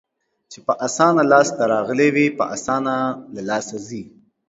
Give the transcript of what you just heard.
چې په اسانه لاس ته راغلي وي، په اسانه له لاسه ځي.